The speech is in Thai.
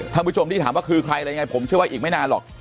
ผู้ชมที่ถามว่าคือใครอะไรยังไงผมเชื่อว่าอีกไม่นานหรอก